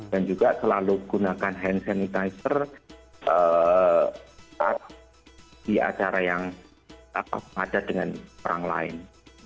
dan juga selalu gunakan hand sanitizer di acara yang tak padat dengan orang lain